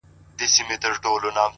ما ستا په شربتي سونډو خمار مات کړی دی’